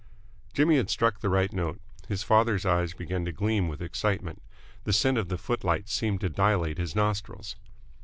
Jimmy had struck the right note. His father's eyes began to gleam with excitement. The scent of the footlights seemed to dilate his nostrils.